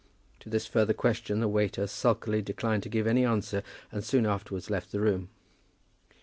To this further question the waiter sulkily declined to give any answer, and soon afterwards left the room.